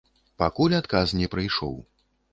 Пакуль адказ не прыйшоў.